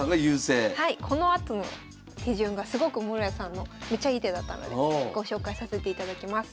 このあとの手順がすごく室谷さんのめちゃいい手だったのでご紹介させていただきます。